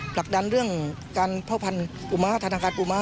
ปลักดันเรื่องการเผ่าพันธ์ปูม้าฐานางคารปูม้า